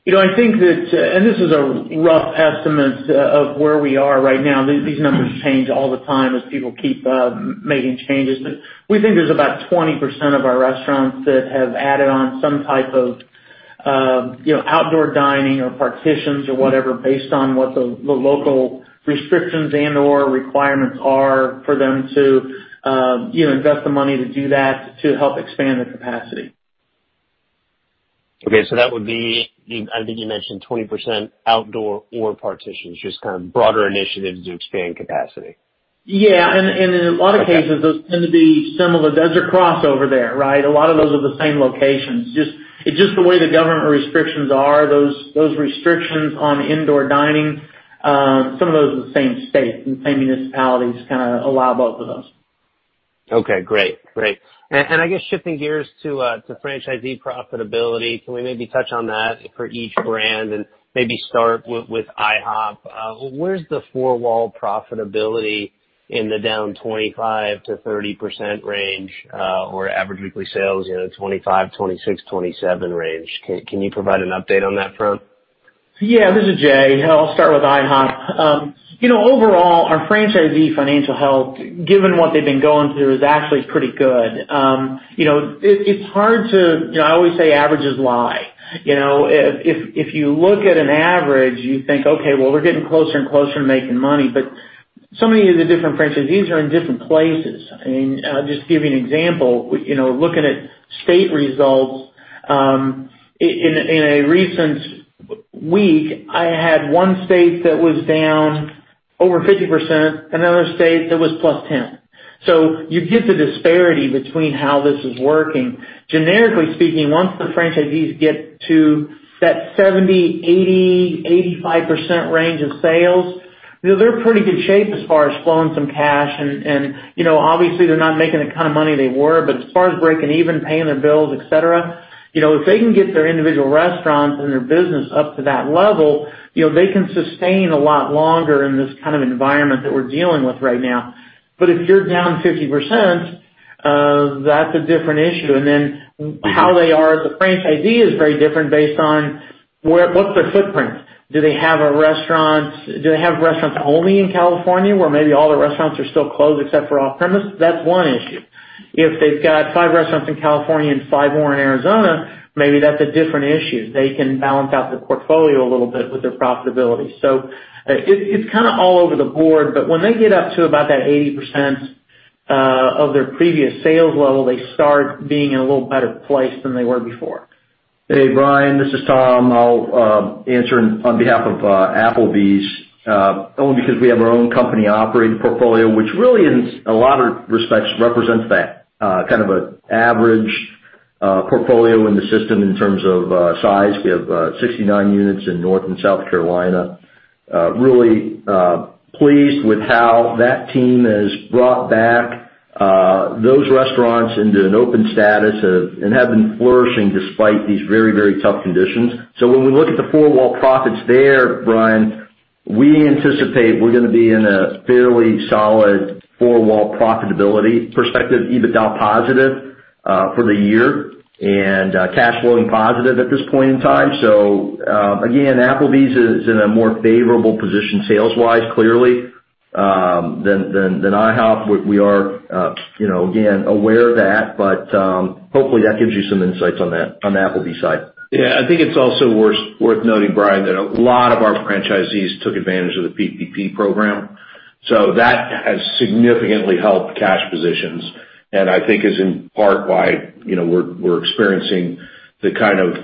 I think that, and this is a rough estimate of where we are right now. These numbers change all the time as people keep making changes. We think there's about 20% of our restaurants that have added on some type of outdoor dining or partitions or whatever based on what the local restrictions and/or requirements are for them to invest the money to do that to help expand the capacity. I think you mentioned 20% outdoor or partitions, just kind of broader initiatives to expand capacity? Yeah. In a lot of cases, those tend to be similar. There's a crossover there, right? A lot of those are the same locations. It's just the way the government restrictions are. Those restrictions on indoor dining, some of those are the same state, the same municipalities kind of allow both of those. Okay, great. I guess shifting gears to franchisee profitability, can we maybe touch on that for each brand and maybe start with IHOP? Where's the four-wall profitability in the down 25%-30% range, or average weekly sales, $25,000, $26,000, $27,000 range? Can you provide an update on that front? This is Jay. I'll start with IHOP. Overall, our franchisee financial health, given what they've been going through, is actually pretty good. I always say averages lie. If you look at an average, you think, "Okay, well, we're getting closer and closer to making money," but so many of the different franchisees are in different places. I mean, I'll just give you an example. Looking at state results, in a recent week, I had one state that was down over 50% and another state that was +10. You get the disparity between how this is working. Generically speaking, once the franchisees get to that 70%, 80%, 85% range of sales, they're in pretty good shape as far as flowing some cash and obviously they're not making the kind of money they were, but as far as breaking even, paying their bills, et cetera, if they can get their individual restaurants and their business up to that level, they can sustain a lot longer in this kind of environment that we're dealing with right now. If you're down 50%. That's a different issue. How they are as a franchisee is very different based on what's their footprint. Do they have restaurants only in California, where maybe all their restaurants are still closed except for off-premise? That's one issue. If they've got five restaurants in California and five more in Arizona, maybe that's a different issue. They can balance out their portfolio a little bit with their profitability. It's kind of all over the board, but when they get up to about that 80% of their previous sales level, they start being in a little better place than they were before. Hey, Brian, this is Tom. I'll answer on behalf of Applebee's, only because we have our own company operating portfolio, which really, in a lot of respects, represents that kind of an average portfolio in the system in terms of size. We have 69 units in North and South Carolina. Really pleased with how that team has brought back those restaurants into an open status and have been flourishing despite these very tough conditions. When we look at the four-wall profits there, Brian, we anticipate we're going to be in a fairly solid four-wall profitability perspective, EBITDA positive for the year, and cash flowing positive at this point in time. Again, Applebee's is in a more favorable position sales wise, clearly, than IHOP. We are, again, aware of that. Hopefully, that gives you some insights on the Applebee's side. Yeah, I think it's also worth noting, Brian, that a lot of our franchisees took advantage of the PPP program, so that has significantly helped cash positions. I think is in part why we're experiencing the kind of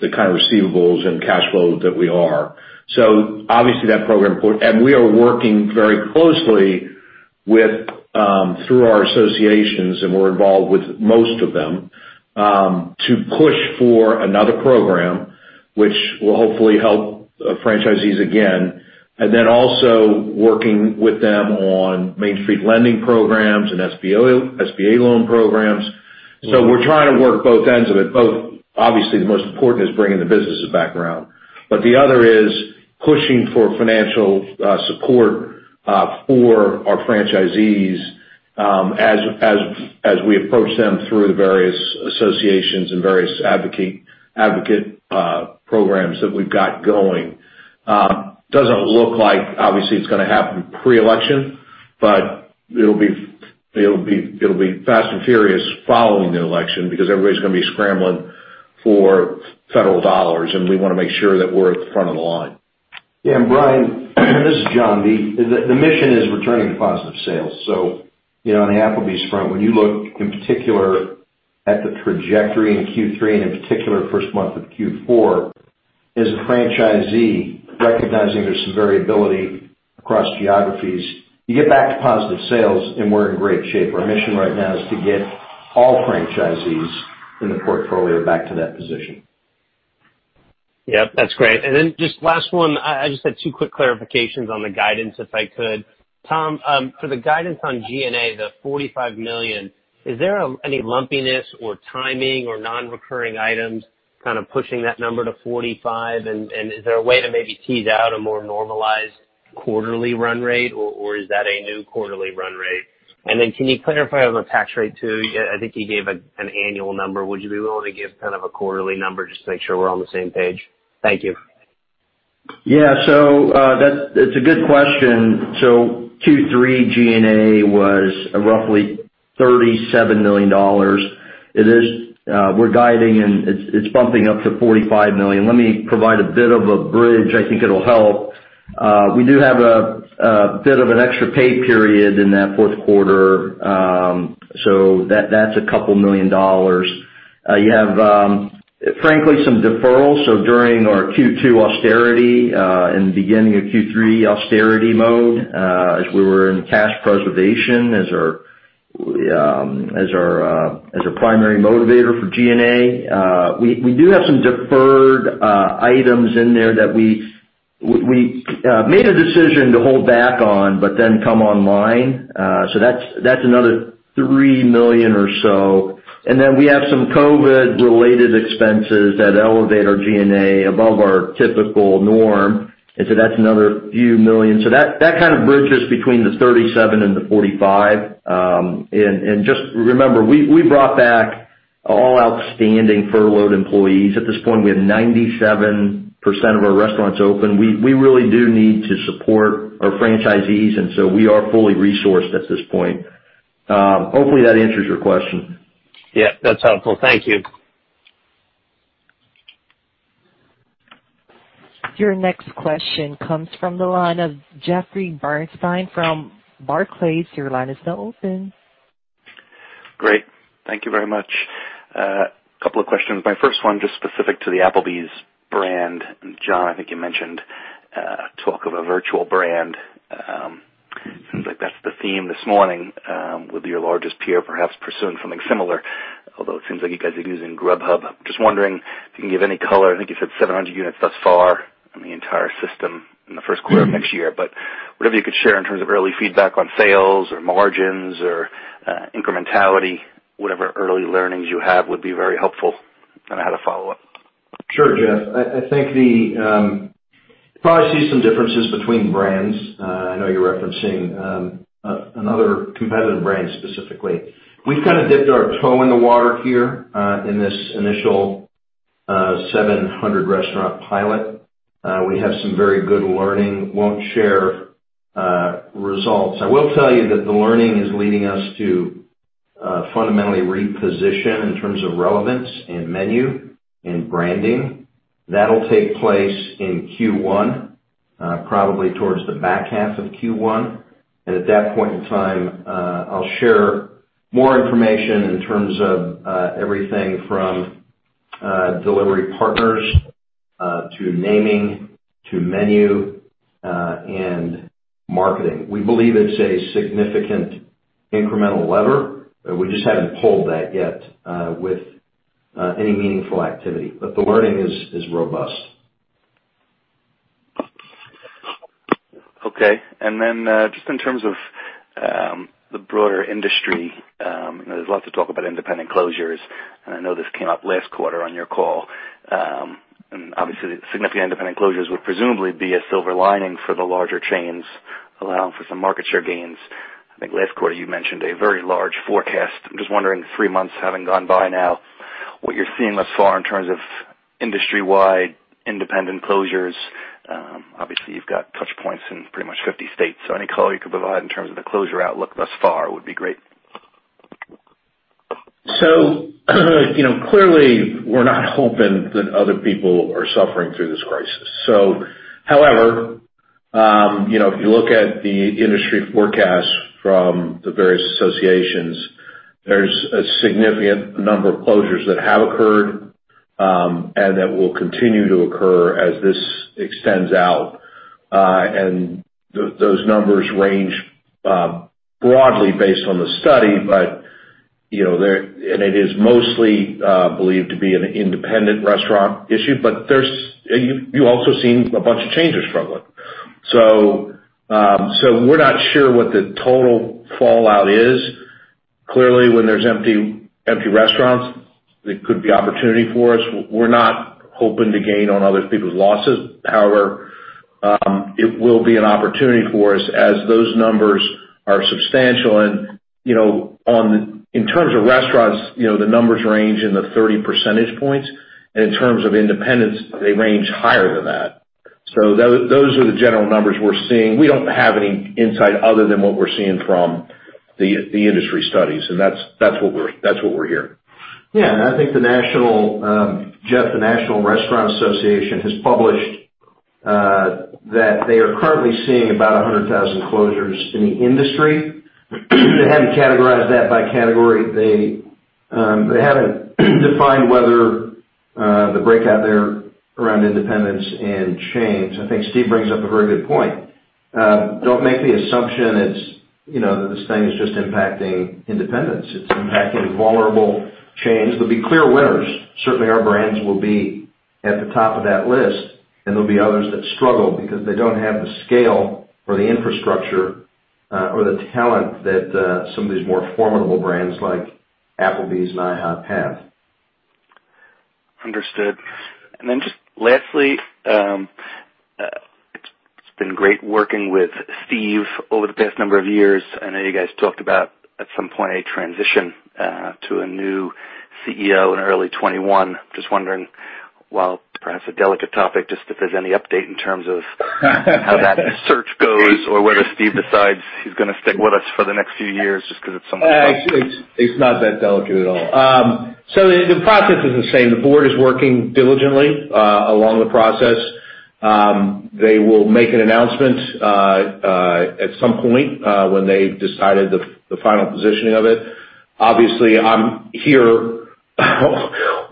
receivables and cash flow that we are. Obviously, we are working very closely through our associations, and we're involved with most of them, to push for another program which will hopefully help franchisees again. Also working with them on Main Street lending programs and SBA loan programs. We're trying to work both ends of it. Obviously, the most important is bringing the businesses back around. The other is pushing for financial support for our franchisees as we approach them through the various associations and various advocate programs that we've got going. Doesn't look like, obviously, it's going to happen pre-election, but it'll be fast and furious following the election because everybody's going to be scrambling for federal dollars, and we want to make sure that we're at the front of the line. Yeah, Brian, this is John. The mission is returning to positive sales. On the Applebee's front, when you look in particular at the trajectory in Q3 and in particular first month of Q4, as a franchisee, recognizing there's some variability across geographies, you get back to positive sales, and we're in great shape. Our mission right now is to get all franchisees in the portfolio back to that position. Yep, that's great. Just last one, I just had two quick clarifications on the guidance, if I could. Tom, for the guidance on G&A, the $45 million, is there any lumpiness or timing or non-recurring items pushing that number to $45? Is there a way to maybe tease out a more normalized quarterly run rate, or is that a new quarterly run rate? Can you clarify on the tax rate too? I think you gave an annual number. Would you be willing to give a quarterly number just to make sure we're on the same page? Thank you. Yeah. That's a good question. Q3 G&A was roughly $37 million. We're guiding, and it's bumping up to $45 million. Let me provide a bit of a bridge. I think it'll help. We do have a bit of an extra pay period in that fourth quarter, so that's a couple million dollars. You have, frankly, some deferrals. During our Q2 austerity and beginning of Q3 austerity mode as we were in cash preservation as our primary motivator for G&A. We do have some deferred items in there that we made a decision to hold back on but then come online. That's another $3 million or so. We have some COVID related expenses that elevate our G&A above our typical norm, and that's another few million. That kind of bridges between the 37 and the 45. Just remember, we brought back all outstanding furloughed employees. At this point, we have 97% of our restaurants open. We really do need to support our franchisees, and so we are fully resourced at this point. Hopefully, that answers your question. Yeah, that's helpful. Thank you. Your next question comes from the line of Jeffrey Bernstein from Barclays. Your line is now open. Great. Thank you very much. Couple of questions. My first one, just specific to the Applebee's brand. John, I think you mentioned talk of a virtual brand. Seems like that's the theme this morning with your largest peer perhaps pursuing something similar, although it seems like you guys are using Grubhub. Just wondering if you can give any color. I think you said 700 units thus far in the entire system in the first quarter of next year, but whatever you could share in terms of early feedback on sales or margins or incrementality, whatever early learnings you have would be very helpful? I had a follow-up. Sure, Jeff. I think the. You probably see some differences between brands. I know you're referencing another competitive brand specifically. We've kind of dipped our toe in the water here, in this initial 700 restaurant pilot. We have some very good learning. Won't share results. I will tell you that the learning is leading us to fundamentally reposition in terms of relevance in menu and branding. That'll take place in Q1, probably towards the back half of Q1. At that point in time, I'll share more information in terms of everything from delivery partners, to naming, to menu, and marketing. We believe it's a significant incremental lever. We just haven't pulled that yet, with any meaningful activity. The learning is robust. Okay. Just in terms of the broader industry, there's lots of talk about independent closures, and I know this came up last quarter on your call. Obviously, significant independent closures would presumably be a silver lining for the larger chains, allowing for some market share gains. I think last quarter you mentioned a very large forecast. I'm just wondering, three months having gone by now, what you're seeing thus far in terms of industry-wide independent closures. Obviously you've got touch points in pretty much 50 states, so any color you could provide in terms of the closure outlook thus far would be great? Clearly, we're not hoping that other people are suffering through this crisis. However, if you look at the industry forecast from the various associations, there's a significant number of closures that have occurred, and that will continue to occur as this extends out. Those numbers range broadly based on the study, and it is mostly believed to be an independent restaurant issue. You also seen a bunch of changes from it. We're not sure what the total fallout is. Clearly, when there's empty restaurants, there could be opportunity for us. We're not hoping to gain on other people's losses. However, it will be an opportunity for us as those numbers are substantial. In terms of restaurants, the numbers range in the 30 percentage points. In terms of independents, they range higher than that. Those are the general numbers we're seeing. We don't have any insight other than what we're seeing from the industry studies. That's what we're hearing. I think, Jeff, the National Restaurant Association has published that they are currently seeing about 100,000 closures in the industry. They haven't categorized that by category. They haven't defined whether the breakout there around independents and chains. I think Steve brings up a very good point. Don't make the assumption that this thing is just impacting independents. It's impacting vulnerable chains. There'll be clear winners. Certainly, our brands will be at the top of that list, and there'll be others that struggle because they don't have the scale or the infrastructure or the talent that some of these more formidable brands like Applebee's and IHOP have. Understood. Then just lastly, it's been great working with Steve over the past number of years. I know you guys talked about, at some point, a transition to a new CEO in early 2021. Just wondering, while perhaps a delicate topic, just if there's any update in terms of how that search goes or whether Steve decides he's going to stick with us for the next few years? It's not that delicate at all. The process is the same. The board is working diligently along the process. They will make an announcement at some point, when they've decided the final positioning of it. Obviously, I'm here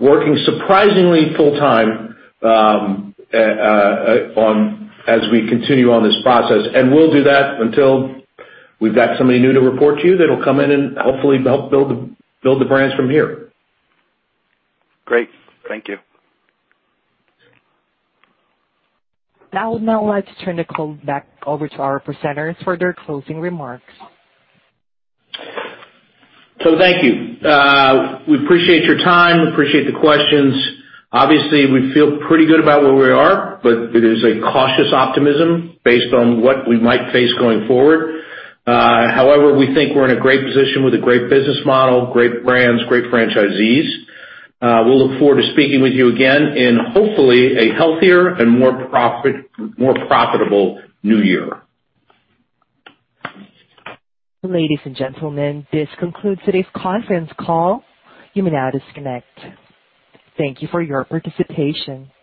working surprisingly full time as we continue on this process, and we'll do that until we've got somebody new to report to that'll come in and hopefully help build the brands from here. Great. Thank you. I would now like to turn the call back over to our presenters for their closing remarks. Thank you. We appreciate your time. We appreciate the questions. Obviously, we feel pretty good about where we are, but it is a cautious optimism based on what we might face going forward. However, we think we're in a great position with a great business model, great brands, great franchisees. We'll look forward to speaking with you again in hopefully a healthier and more profitable new year. Ladies and gentlemen, this concludes today's conference call. You may now disconnect. Thank you for your participation.